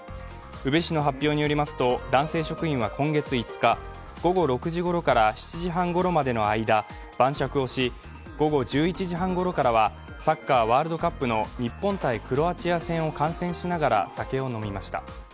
宇部市の発表によりますと男性職員は今月５日午後６時ごろから７時半ごろまでの間、晩酌をし午後１１時半ごろからはサッカーワールドカップの日本×クロアチア戦を観戦しながら酒を飲みました。